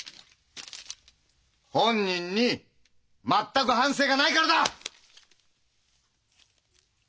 本人に全く反省がないからだ！